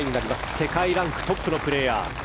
世界ランクトップのプレーヤー。